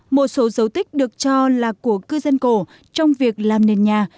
một số dấu tích được cho là của cư dân cổ trong việc làm nền nhà